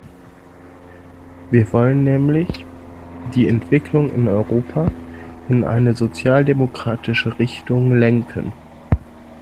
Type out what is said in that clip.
Wir wollen nämlich die Entwicklung in Europa in eine sozialdemokratische Richtung lenken.